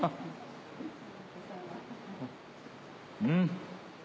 うん！